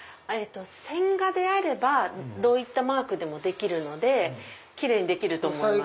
線画であればどういったマークもできるのでキレイにできると思います。